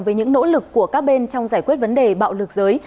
với những nỗ lực của các bên trong giải quyết vấn đề bạo lực giới